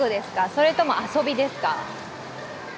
それとも遊びですか？